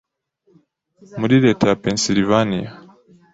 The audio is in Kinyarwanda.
muri Leta ya Pennsylvania.